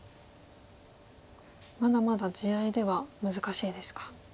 まだまだ地合いでは難しいですか。